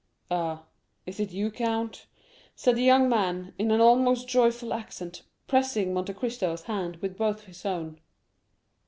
"Ah, is it you, count?" said the young man, in an almost joyful accent, pressing Monte Cristo's hand with both his own.